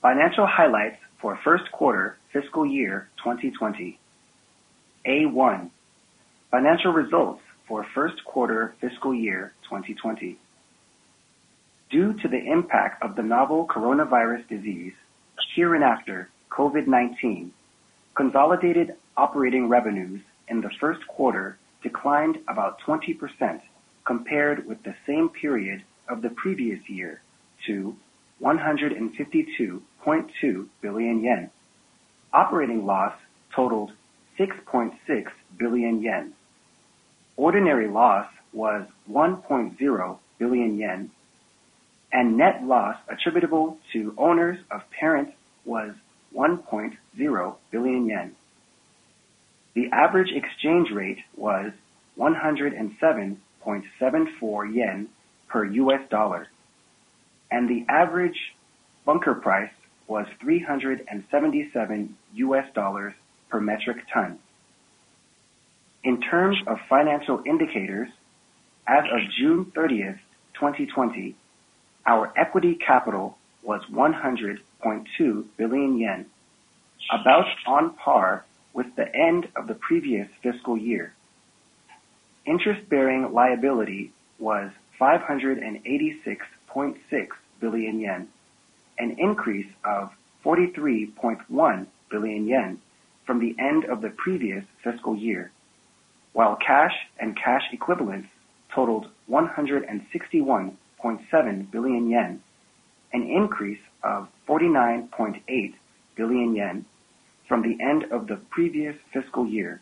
Financial highlights for first quarter fiscal year 2020. A.1, financial results for first quarter fiscal year 2020. Due to the impact of the novel coronavirus disease, hereinafter COVID-19, consolidated operating revenues in the first quarter declined about 20% compared with the same period of the previous year to 152.2 billion yen. Operating loss totaled 6.6 billion yen. Ordinary loss was 1.0 billion yen, and net loss attributable to owners of parent was 1.0 billion yen. The average exchange rate was 107.74 yen per US dollar, and the average bunker price was $377 per metric ton. In terms of financial indicators, as of June 30th, 2020, our equity capital was 100.2 billion yen, about on par with the end of the previous fiscal year. Interest-bearing liability was 586.6 billion yen, an increase of 43.1 billion yen from the end of the previous fiscal year. While cash and cash equivalents totaled 161.7 billion yen, an increase of 49.8 billion yen from the end of the previous fiscal year.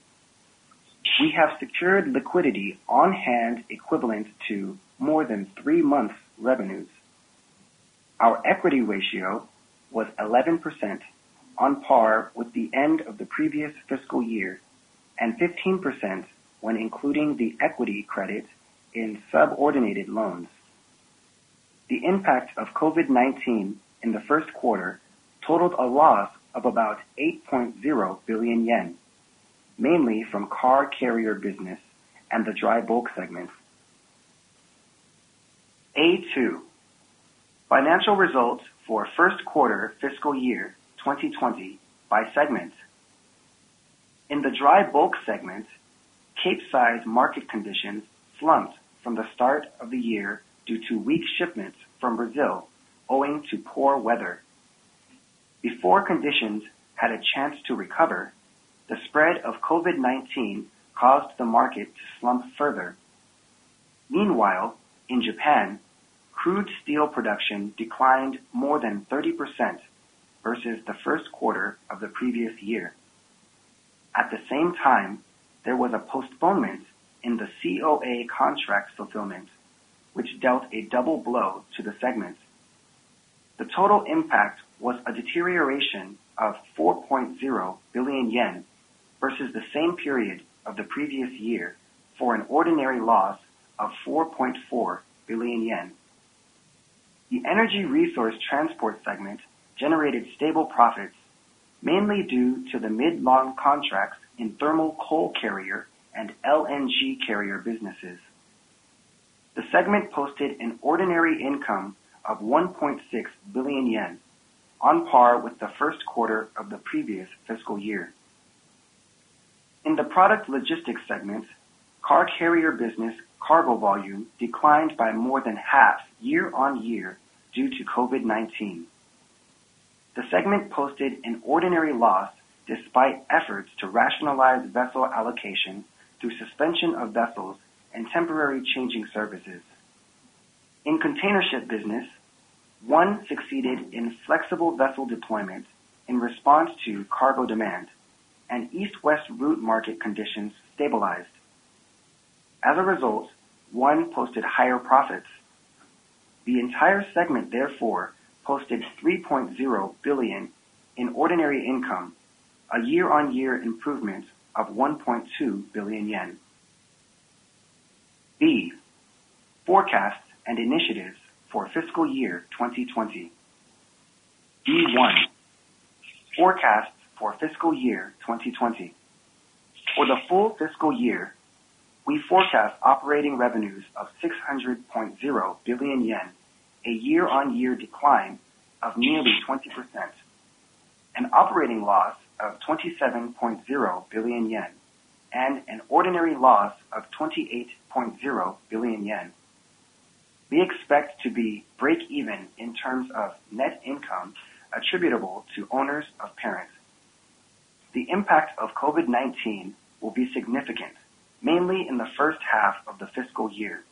We have secured liquidity on hand equivalent to more than three months' revenues. Our equity ratio was 11%, on par with the end of the previous fiscal year, and 15% when including the equity credit in subordinated loans. The impact of COVID-19 in the first quarter totaled a loss of about 8.0 billion yen, mainly from Car Carrier Business and the Dry Bulk segment. A.2, financial results for first quarter fiscal year 2020 by segment. In the Dry Bulk segment, Capesize market conditions slumped from the start of the year due to weak shipments from Brazil owing to poor weather. Before conditions had a chance to recover, the spread of COVID-19 caused the market to slump further. Meanwhile, in Japan, crude steel production declined more than 30% versus the first quarter of the previous year. At the same time, there was a postponement in the COA contract fulfillment, which dealt a double blow to the segment. The total impact was a deterioration of 4.0 billion yen versus the same period of the previous year, for an ordinary loss of 4.4 billion yen. The Energy Resource Transport segment generated stable profits, mainly due to the mid-long contracts in thermal coal carrier and LNG carrier businesses. The segment posted an ordinary income of 1.6 billion yen, on par with the first quarter of the previous fiscal year. In the Product Logistics segment, Car Carrier Business cargo volume declined by more than half year-on-year due to COVID-19. The segment posted an ordinary loss despite efforts to rationalize vessel allocation through suspension of vessels and temporary changing services. In Containership business, ONE succeeded in flexible vessel deployment in response to cargo demand, and East-West route market conditions stabilized. As a result, ONE posted higher profits. The entire segment therefore posted JPY 3.0 billion in ordinary income, a year-on-year improvement of 1.2 billion yen. B, forecasts and initiatives for fiscal year 2020. B.1, forecasts for fiscal year 2020. For the full fiscal year, we forecast operating revenues of 600.0 billion yen, a year-on-year decline of nearly 20%, an operating loss of 27.0 billion yen, and an ordinary loss of 28.0 billion yen. We expect to be break-even in terms of net income attributable to owners of parent. The impact of COVID-19 will be significant, mainly in the first half of the fiscal year,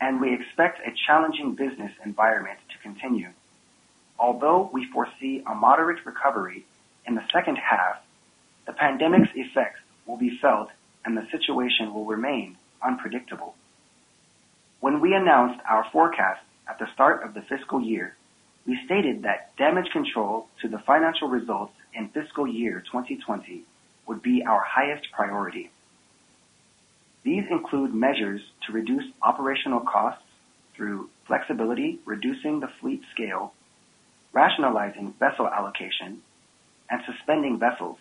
and we expect a challenging business environment to continue. Although we foresee a moderate recovery in the second half, the pandemic's effects will be felt, and the situation will remain unpredictable. When we announced our forecast at the start of the fiscal year, we stated that damage control to the financial results in fiscal year 2020 would be our highest priority. These include measures to reduce operational costs through flexibility, reducing the fleet scale, rationalizing vessel allocation, and suspending vessels.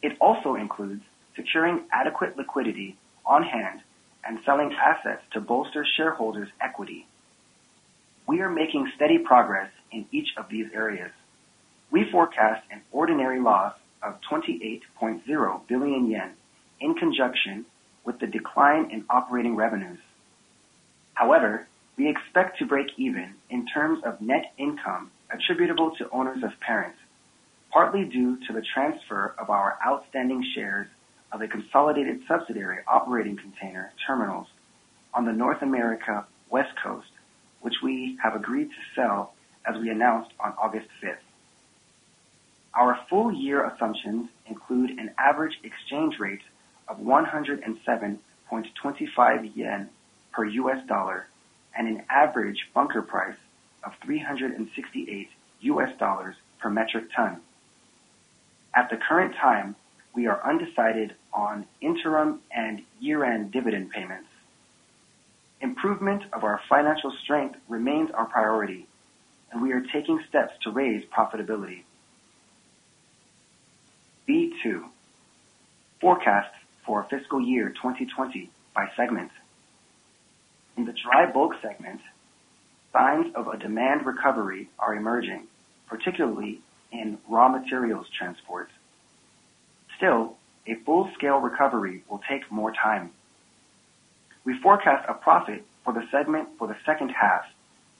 It also includes securing adequate liquidity on hand and selling assets to bolster shareholders' equity. We are making steady progress in each of these areas. We forecast an ordinary loss of 28.0 billion yen in conjunction with the decline in operating revenues. However, we expect to break even in terms of net income attributable to owners of parent, partly due to the transfer of our outstanding shares of a consolidated subsidiary operating container terminals on the North America West Coast, which we have agreed to sell as we announced on August 5th. Our full-year assumptions include an average exchange rate of 107.25 yen per US dollar and an average bunker price of $368 per metric ton. At the current time, we are undecided on interim and year-end dividend payments. Improvement of our financial strength remains our priority, and we are taking steps to raise profitability. B2. Forecast for fiscal year 2020 by segment. In the Dry Bulk segment, signs of a demand recovery are emerging, particularly in raw materials transport. Still, a full-scale recovery will take more time. We forecast a profit for the segment for the second half,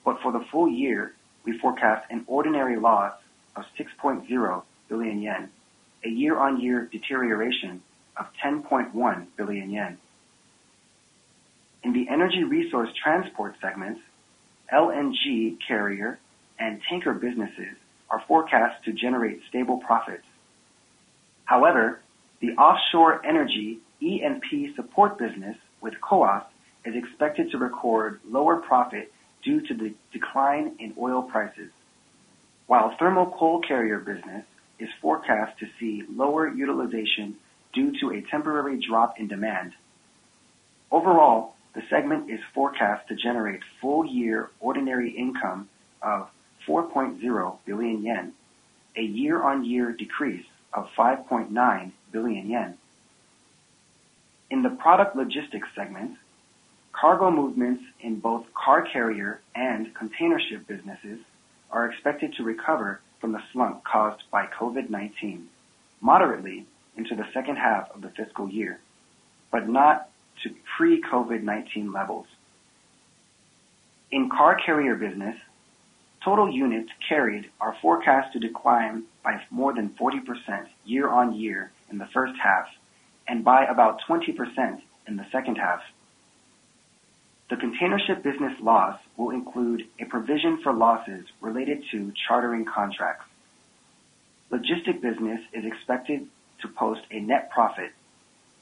but for the full year, we forecast an ordinary loss of 6.0 billion yen, a year-on-year deterioration of 10.1 billion yen. In the Energy Resource Transport segment, LNG carrier and tanker businesses are forecast to generate stable profits. However, the offshore energy E&P support business with COA is expected to record lower profit due to the decline in oil prices, while thermal coal carrier business is forecast to see lower utilization due to a temporary drop in demand. Overall, the segment is forecast to generate full-year ordinary income of 4.0 billion yen, a year-on-year decrease of 5.9 billion yen. In the Product Logistics segment, cargo movements in both Car Carrier and Containership businesses are expected to recover from the slump caused by COVID-19 moderately into the second half of the fiscal year, but not to pre-COVID-19 levels. In Car Carrier Business, total units carried are forecast to decline by more than 40% year-on-year in the first half and by about 20% in the second half. The Containership business loss will include a provision for losses related to chartering contracts. Logistics business is expected to post a net profit,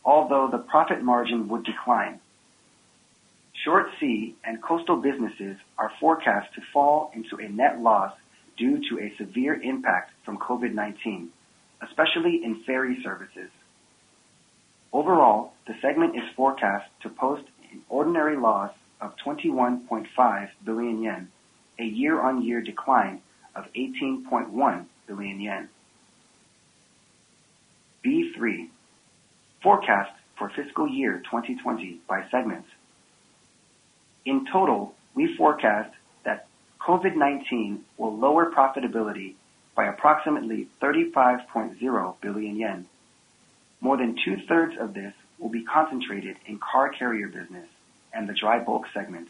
although the profit margin would decline. Short Sea and Coastal businesses are forecast to fall into a net loss due to a severe impact from COVID-19, especially in ferry services. Overall, the segment is forecast to post an ordinary loss of 21.5 billion yen, a year-on-year decline of 18.1 billion yen. B3. Forecast for fiscal year 2020 by segment. In total, we forecast that COVID-19 will lower profitability by approximately 35.0 billion yen. More than two-thirds of this will be concentrated in Car Carrier Business and the Dry Bulk segment.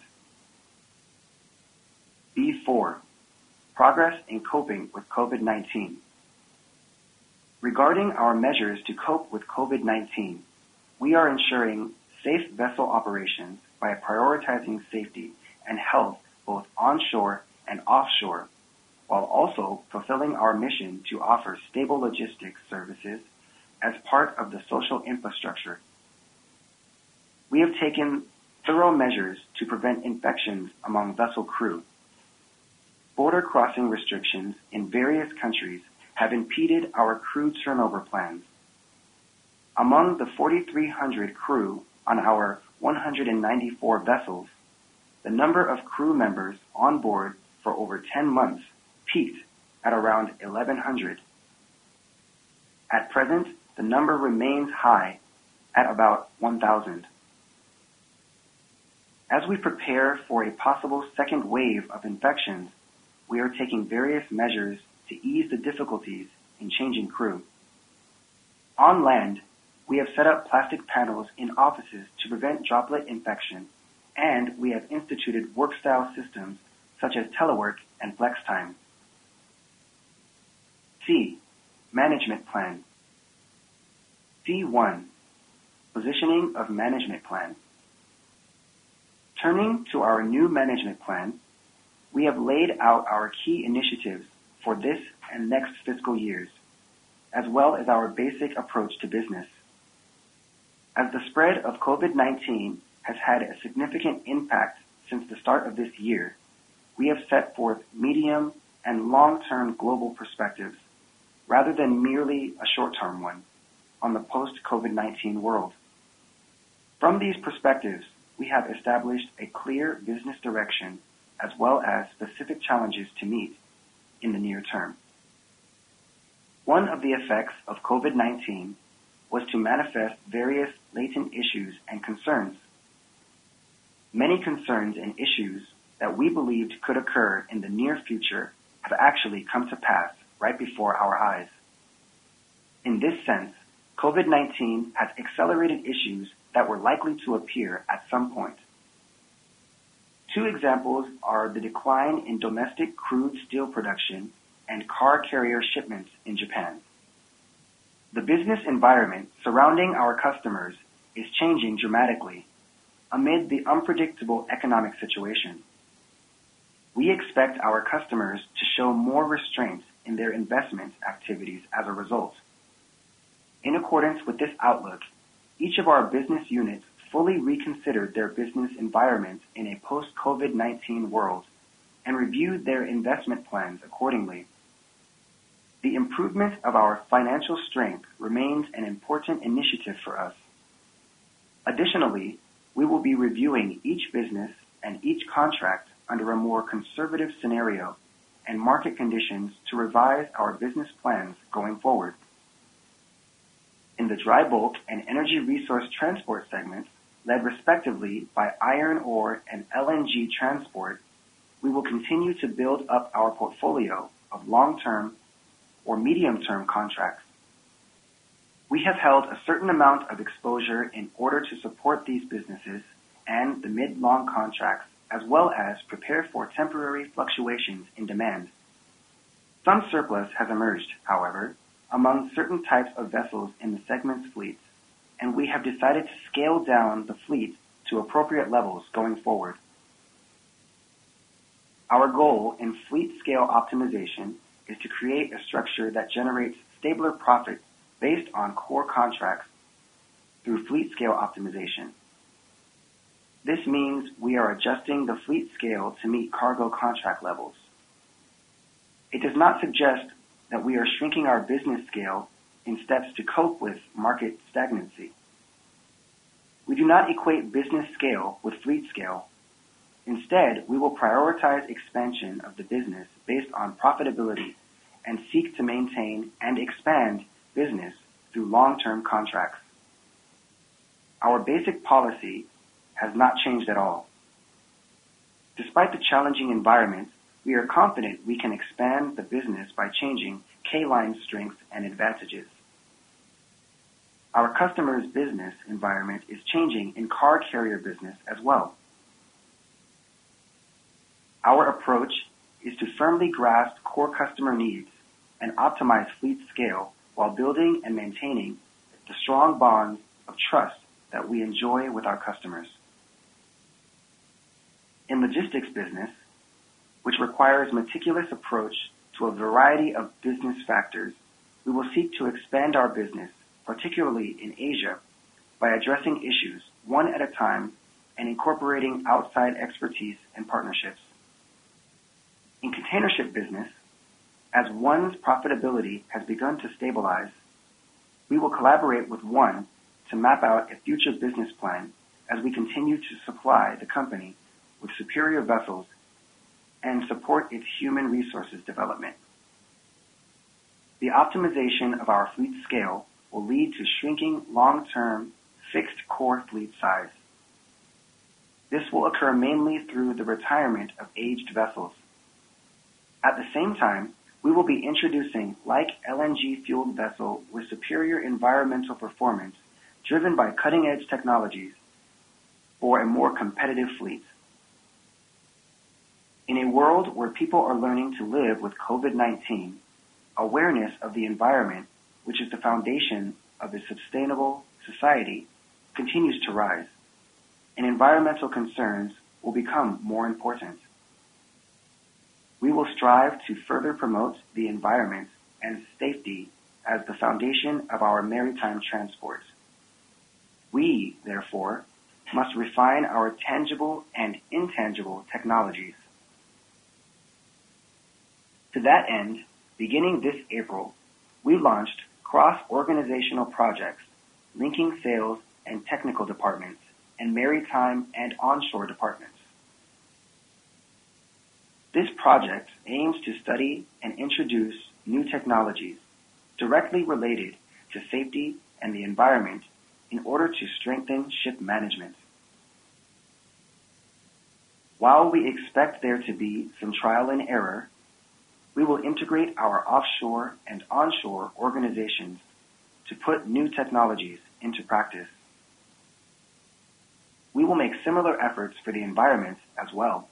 B4. Progress in coping with COVID-19. Regarding our measures to cope with COVID-19, we are ensuring safe vessel operations by prioritizing safety and health, both onshore and offshore, while also fulfilling our mission to offer stable logistics services as part of the social infrastructure. We have taken thorough measures to prevent infections among vessel crew. Border crossing restrictions in various countries have impeded our crew turnover plans. Among the 4,300 crew on our 194 vessels, the number of crew members on board for over 10 months peaked at around 1,100. At present, the number remains high at about 1,000. As we prepare for a possible second wave of infections, we are taking various measures to ease the difficulties in changing crew. On land, we have set up plastic panels in offices to prevent droplet infection, and we have instituted work style systems such as telework and flex time. C, management plan. C1, positioning of management plan. Turning to our new management plan, we have laid out our key initiatives for this and next fiscal years, as well as our basic approach to business. As the spread of COVID-19 has had a significant impact since the start of this year, we have set forth medium and long-term global perspectives rather than merely a short-term one on the post-COVID-19 world. From these perspectives, we have established a clear business direction as well as specific challenges to meet in the near term. One of the effects of COVID-19 was to manifest various latent issues and concerns. Many concerns and issues that we believed could occur in the near future have actually come to pass right before our eyes. In this sense, COVID-19 has accelerated issues that were likely to appear at some point. Two examples are the decline in domestic crude steel production and car carrier shipments in Japan. The business environment surrounding our customers is changing dramatically amid the unpredictable economic situation. We expect our customers to show more restraints in their investment activities as a result. In accordance with this outlook, each of our business units fully reconsidered their business environments in a post-COVID-19 world and reviewed their investment plans accordingly. The improvement of our financial strength remains an important initiative for us. Additionally, we will be reviewing each business and each contract under a more conservative scenario and market conditions to revise our business plans going forward. In the Dry Bulk and Energy Resource Transport segment, led respectively by iron ore and LNG transport, we will continue to build up our portfolio of long-term or medium-term contracts. We have held a certain amount of exposure in order to support these businesses and the mid-long contracts, as well as prepare for temporary fluctuations in demand. Some surplus has emerged, however, among certain types of vessels in the segment's fleets, and we have decided to scale down the fleet to appropriate levels going forward. Our goal in fleet scale optimization is to create a structure that generates stabler profit based on core contracts through fleet scale optimization. This means we are adjusting the fleet scale to meet cargo contract levels. It does not suggest that we are shrinking our business scale in steps to cope with market stagnancy. We do not equate business scale with fleet scale. We will prioritize expansion of the business based on profitability and seek to maintain and expand business through long-term contracts. Our basic policy has not changed at all. Despite the challenging environment, we are confident we can expand the business by changing K LINE's strengths and advantages. Our customer's business environment is changing in Car Carrier Business as well. Our approach is to firmly grasp core customer needs and optimize fleet scale while building and maintaining the strong bonds of trust that we enjoy with our customers. In Logistics business, which requires meticulous approach to a variety of business factors, we will seek to expand our business, particularly in Asia, by addressing issues one at a time and incorporating outside expertise and partnerships. In Containership business, as ONE's profitability has begun to stabilize, we will collaborate with ONE to map out a future business plan as we continue to supply the company with superior vessels and support its human resources development. The optimization of our fleet scale will lead to shrinking long-term fixed core fleet size. This will occur mainly through the retirement of aged vessels. At the same time, we will be introducing like LNG-fueled vessel with superior environmental performance driven by cutting-edge technologies for a more competitive fleet. In a world where people are learning to live with COVID-19, awareness of the environment, which is the foundation of a sustainable society, continues to rise, and environmental concerns will become more important. We will strive to further promote the environment and safety as the foundation of our maritime transport. We, therefore, must refine our tangible and intangible technologies. To that end, beginning this April, we launched cross-organizational projects linking sales and technical departments and maritime and onshore departments. This project aims to study and introduce new technologies directly related to safety and the environment in order to strengthen ship management. While we expect there to be some trial and error, we will integrate our offshore and onshore organizations to put new technologies into practice. We will make similar efforts for the environment as well,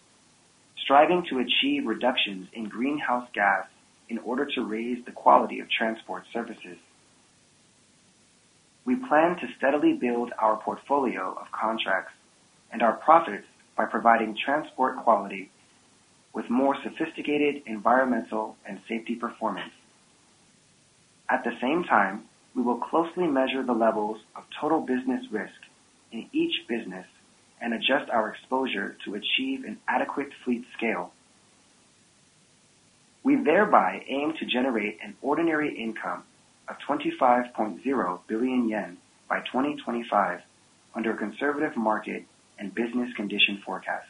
striving to achieve reductions in greenhouse gas in order to raise the quality of transport services. We plan to steadily build our portfolio of contracts and our profits by providing transport quality with more sophisticated environmental and safety performance. At the same time, we will closely measure the levels of total business risk in each business and adjust our exposure to achieve an adequate fleet scale. We thereby aim to generate an ordinary income of 25.0 billion yen by 2025 under a conservative market and business condition forecast.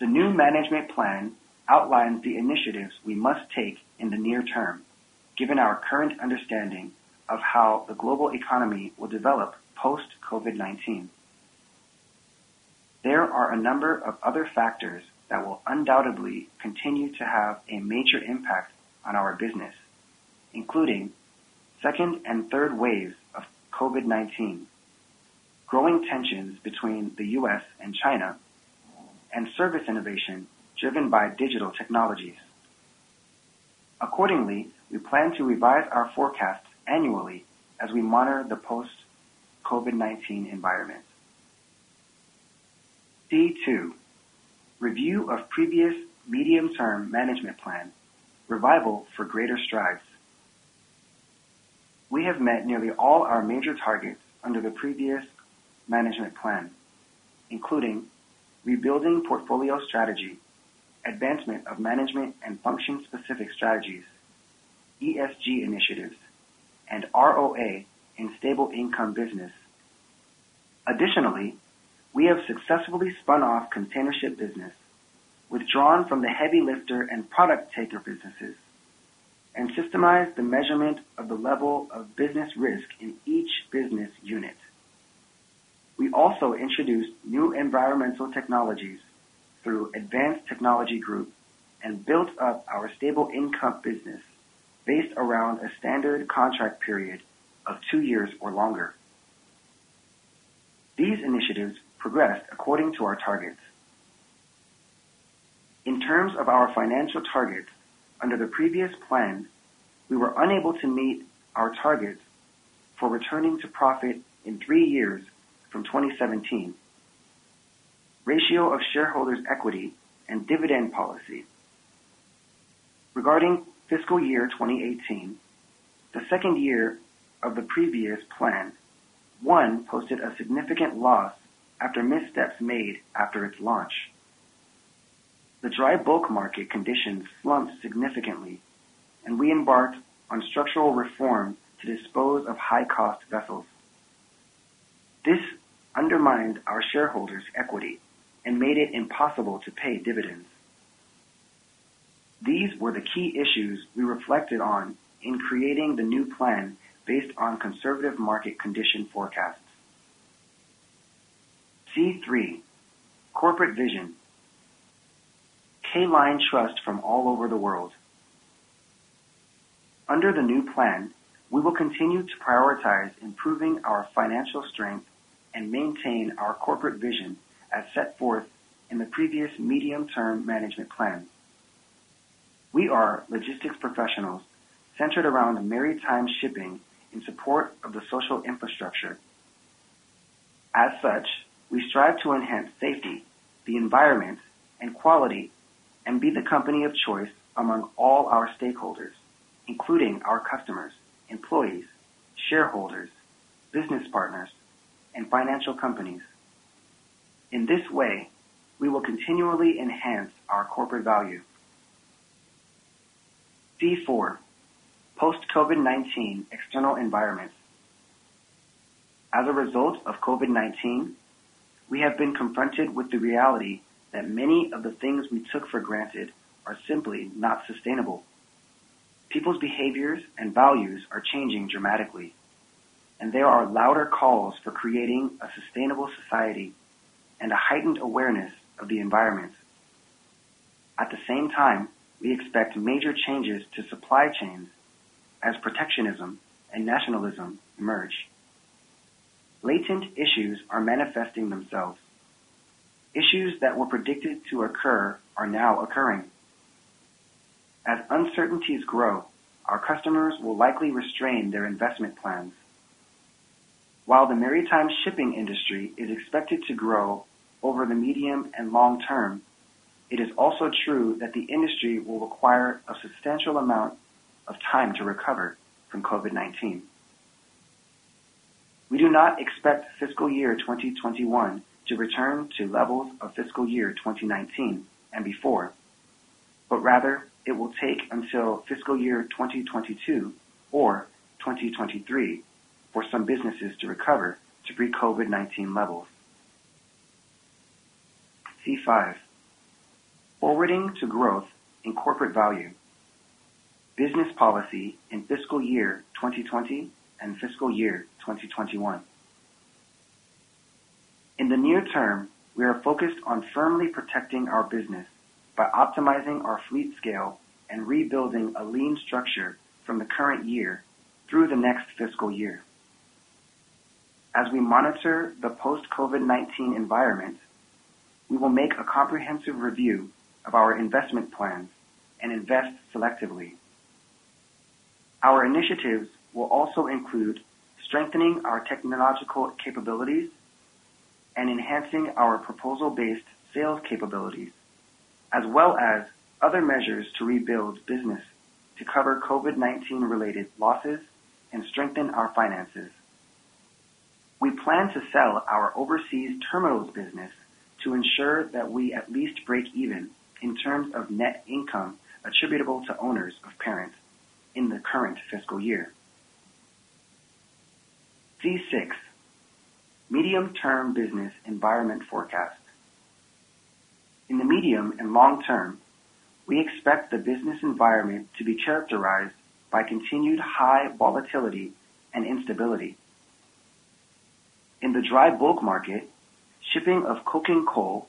The new management plan outlines the initiatives we must take in the near term, given our current understanding of how the global economy will develop post-COVID-19. There are a number of other factors that will undoubtedly continue to have a major impact on our business, including second and third waves of COVID-19, growing tensions between the U.S. and China, and service innovation driven by digital technologies. Accordingly, we plan to revise our forecasts annually as we monitor the post-COVID-19 environment. C2, review of previous medium-term management plan, Revival for Greater Strides. We have met nearly all our major targets under the previous management plan, including rebuilding portfolio strategy, advancement of management and function-specific strategies, ESG initiatives, and ROA in stable income business. Additionally, we have successfully spun off Containership business, withdrawn from the heavy-lifter and product tanker businesses, and systemized the measurement of the level of business risk in each business unit. We also introduced new environmental technologies through Advanced Technology Group and built up our stable income business based around a standard contract period of two years or longer. These initiatives progressed according to our targets. In terms of our financial targets, under the previous plan, we were unable to meet our targets for returning to profit in three years from 2017. Ratio of shareholders' equity and dividend policy. Regarding fiscal year 2018, the second year of the previous plan, ONE posted a significant loss after missteps made after its launch. The dry bulk market conditions slumped significantly, and we embarked on structural reform to dispose of high-cost vessels. This undermined our shareholders' equity and made it impossible to pay dividends. These were the key issues we reflected on in creating the new plan based on conservative market condition forecasts. C3, corporate vision, K LINE: trust from all over the world. Under the new plan, we will continue to prioritize improving our financial strength and maintain our corporate vision as set forth in the previous medium-term management plan. We are logistics professionals centered around the maritime shipping in support of the social infrastructure. As such, we strive to enhance safety, the environment, and quality, and be the company of choice among all our stakeholders, including our customers, employees, shareholders, business partners, and financial companies. In this way, we will continually enhance our corporate value. C4, post-COVID-19 external environment. As a result of COVID-19, we have been confronted with the reality that many of the things we took for granted are simply not sustainable. People's behaviors and values are changing dramatically, and there are louder calls for creating a sustainable society and a heightened awareness of the environment. At the same time, we expect major changes to supply chains as protectionism and nationalism emerge. Latent issues are manifesting themselves. Issues that were predicted to occur are now occurring. As uncertainties grow, our customers will likely restrain their investment plans. While the maritime shipping industry is expected to grow over the medium and long term, it is also true that the industry will require a substantial amount of time to recover from COVID-19. We do not expect fiscal year 2021 to return to levels of fiscal year 2019 and before, but rather it will take until fiscal year 2022 or 2023 for some businesses to recover to pre-COVID-19 levels. C5, forwarding to growth in corporate value. Business policy in fiscal year 2020 and fiscal year 2021. In the near term, we are focused on firmly protecting our business by optimizing our fleet scale and rebuilding a lean structure from the current year through the next fiscal year. As we monitor the post-COVID-19 environment, we will make a comprehensive review of our investment plans and invest selectively. Our initiatives will also include strengthening our technological capabilities and enhancing our proposal-based sales capabilities, as well as other measures to rebuild business to cover COVID-19 related losses and strengthen our finances. We plan to sell our overseas terminals business to ensure that we at least break even in terms of net income attributable to owners of parent in the current fiscal year. C6. Medium-term business environment forecast. In the medium and long term, we expect the business environment to be characterized by continued high volatility and instability. In the dry bulk market, shipping of coking coal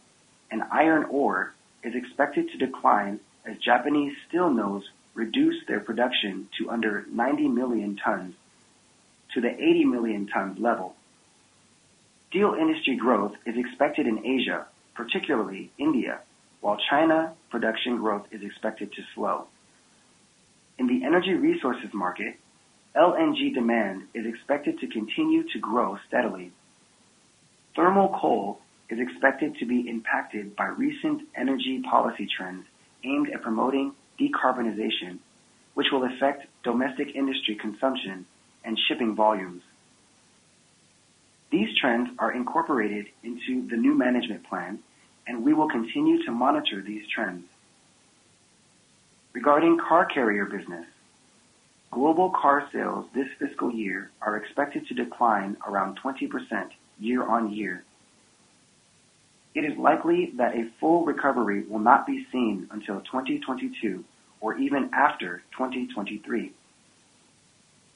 and iron ore is expected to decline as Japanese steel mills reduce their production to under 90 million tons, to the 80 million ton level. Steel industry growth is expected in Asia, particularly India, while China production growth is expected to slow. In the energy resources market, LNG demand is expected to continue to grow steadily. Thermal coal is expected to be impacted by recent energy policy trends aimed at promoting decarbonization, which will affect domestic industry consumption and shipping volumes. These trends are incorporated into the new management plan, and we will continue to monitor these trends. Regarding Car Carrier Business, global car sales this fiscal year are expected to decline around 20% year-on-year. It is likely that a full recovery will not be seen until 2022 or even after 2023.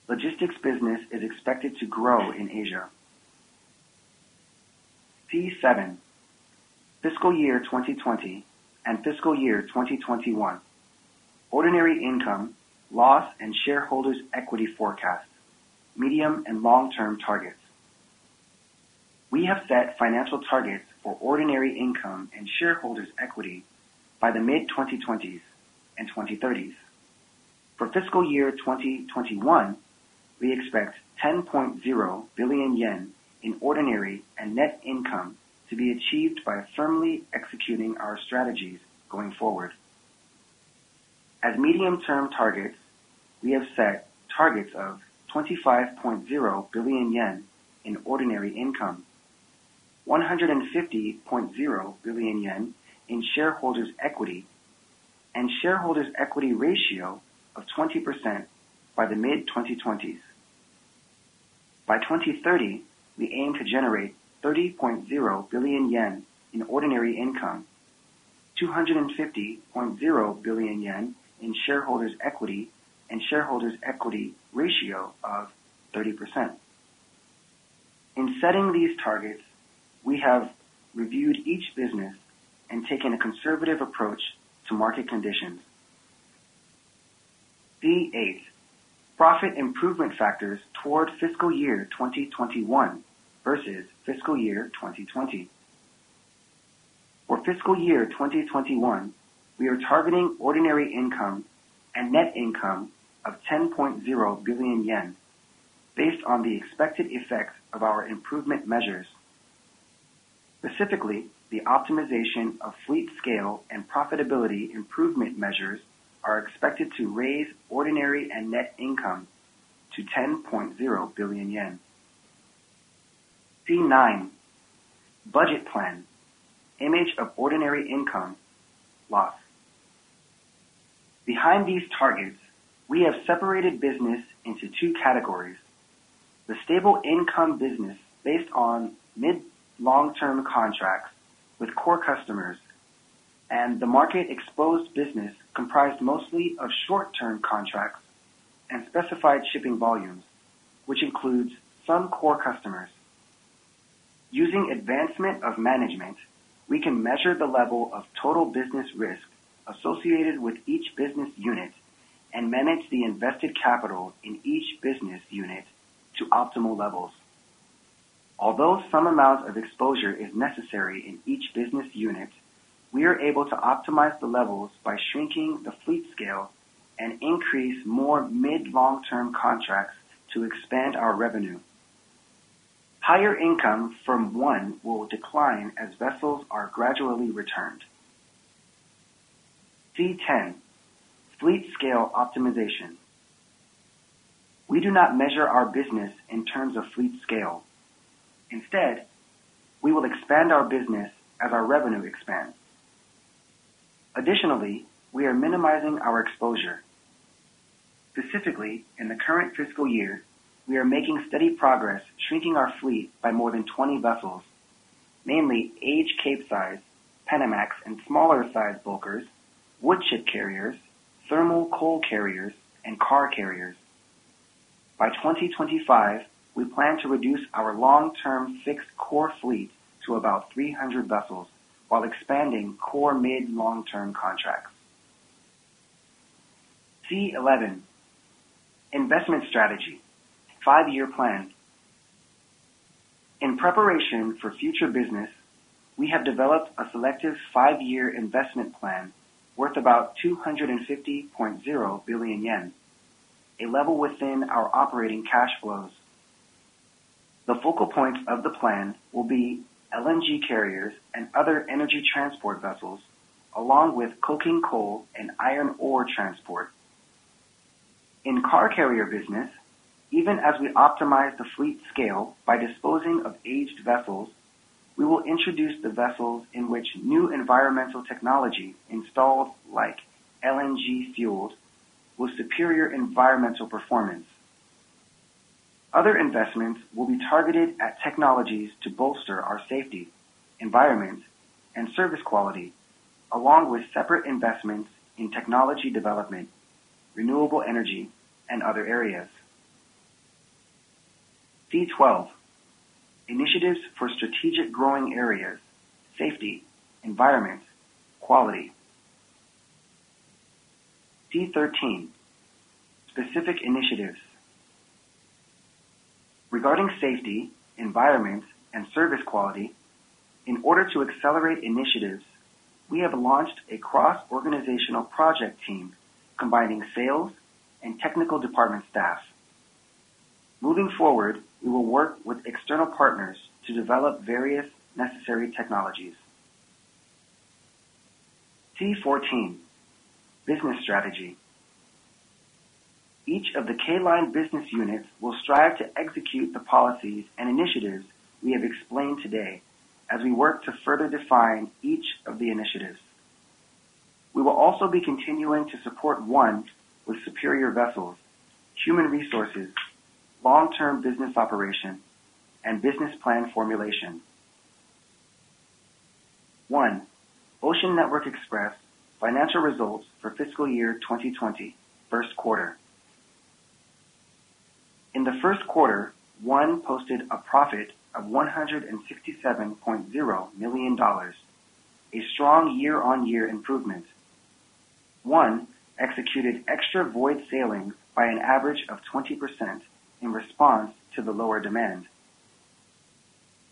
Logistics business is expected to grow in Asia. C7. Fiscal year 2020 and fiscal year 2021 ordinary income, loss, and shareholders' equity forecast, medium and long-term targets. We have set financial targets for ordinary income and shareholders' equity by the mid-2020s and 2030s. For fiscal year 2021, we expect 10.0 billion yen in ordinary and net income to be achieved by firmly executing our strategies going forward. As medium-term targets, we have set targets of 25.0 billion yen in ordinary income, 150.0 billion yen in shareholders' equity, and shareholders' equity ratio of 20% by the mid-2020s. By 2030, we aim to generate 30.0 billion yen in ordinary income, 250.0 billion yen in shareholders' equity, and shareholders' equity ratio of 30%. In setting these targets, we have reviewed each business and taken a conservative approach to market conditions. C8. Profit improvement factors toward fiscal year 2021 versus fiscal year 2020. For fiscal year 2021, we are targeting ordinary income and net income of 10.0 billion yen, based on the expected effects of our improvement measures. Specifically, the optimization of fleet scale and profitability improvement measures are expected to raise ordinary and net income to 10.0 billion yen. C9. Budget plan, image of ordinary income, loss. Behind these targets, we have separated business into two categories: the stable income business based on mid-long-term contracts with core customers, and the market-exposed business, comprised mostly of short-term contracts and specified shipping volumes, which includes some core customers. Using advancement of management, we can measure the level of total business risk associated with each business unit and manage the invested capital in each business unit to optimal levels. Although some amount of exposure is necessary in each business unit, we are able to optimize the levels by shrinking the fleet scale and increase more mid-long-term contracts to expand our revenue. Higher income from ONE will decline as vessels are gradually returned. C10. Fleet scale optimization. We do not measure our business in terms of fleet scale. Instead, we will expand our business as our revenue expands. Additionally, we are minimizing our exposure. Specifically, in the current fiscal year, we are making steady progress shrinking our fleet by more than 20 vessels, mainly aged Capesize, Panamax, and smaller-sized bulkers, wood chip carriers, thermal coal carriers, and car carriers. By 2025, we plan to reduce our long-term fixed core fleet to about 300 vessels while expanding core mid-long-term contracts. C11. Investment strategy, five-year plan. In preparation for future business, we have developed a selective five-year investment plan worth about 250.0 billion yen, a level within our operating cash flows. The focal point of the plan will be LNG carriers and other energy transport vessels, along with coking coal and iron ore transport. In Car Carrier Business, even as we optimize the fleet scale by disposing of aged vessels, we will introduce the vessels in which new environmental technology installed, like LNG-fueled, with superior environmental performance. Other investments will be targeted at technologies to bolster our safety, environment, and service quality, along with separate investments in technology development, renewable energy, and other areas. C12. Initiatives for strategic growing areas, safety, environment, quality. C13. Specific initiatives. Regarding safety, environment, and service quality, in order to accelerate initiatives, we have launched a cross-organizational project team combining sales and technical department staff. Moving forward, we will work with external partners to develop various necessary technologies. C14. Business strategy. Each of the K LINE business units will strive to execute the policies and initiatives we have explained today, as we work to further define each of the initiatives. We will also be continuing to support ONE with superior vessels, human resources, long-term business operation, and business plan formulation. ONE, Ocean Network Express financial results for fiscal year 2020, first quarter. In the first quarter, ONE posted a profit of $167.0 million, a strong year-on-year improvement. ONE executed extra void sailings by an average of 20% in response to the lower demand.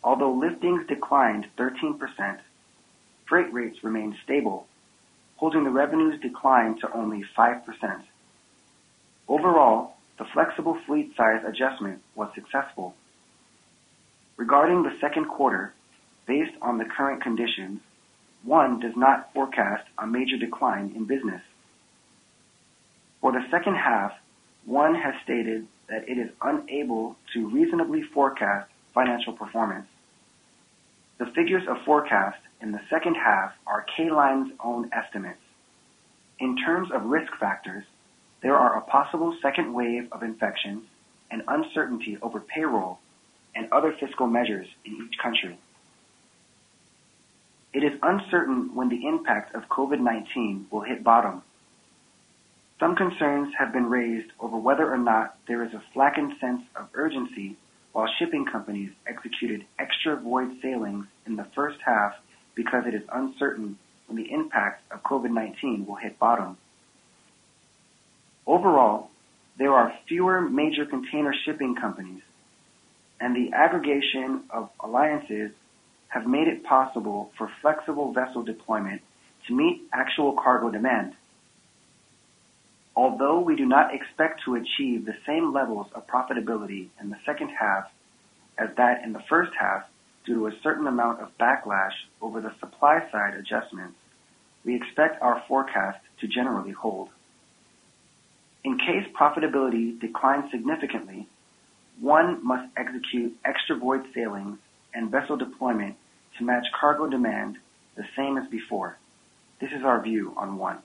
Although liftings declined 13%, freight rates remained stable, holding the revenue's decline to only 5%. Overall, the flexible fleet size adjustment was successful. Regarding the second quarter, based on the current conditions, ONE does not forecast a major decline in business. For the second half, ONE has stated that it is unable to reasonably forecast financial performance. The figures of forecast in the second half are K LINE's own estimates. In terms of risk factors, there are a possible second wave of infections and uncertainty over payroll and other fiscal measures in each country. It is uncertain when the impact of COVID-19 will hit bottom. Some concerns have been raised over whether or not there is a slackened sense of urgency while shipping companies executed extra void sailings in the first half because it is uncertain when the impact of COVID-19 will hit bottom. Overall, there are fewer major container shipping companies, and the aggregation of alliances have made it possible for flexible vessel deployment to meet actual cargo demand. Although we do not expect to achieve the same levels of profitability in the second half as that in the first half, due to a certain amount of backlash over the supply side adjustments, we expect our forecast to generally hold. In case profitability declines significantly, ONE must execute extra void sailings and vessel deployment to match cargo demand the same as before. This is our view on ONE.